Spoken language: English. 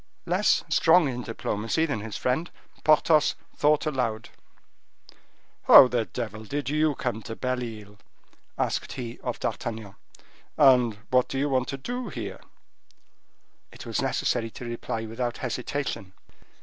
Less strong in diplomacy than his friend, Porthos thought aloud. "How the devil did you come to Belle Isle?" asked he of D'Artagnan; "and what do you want to do here?" It was necessary to reply without hesitation.